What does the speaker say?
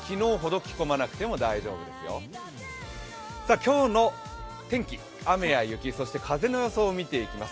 今日の天気、雨や雪、そして風の予想を見ていきます。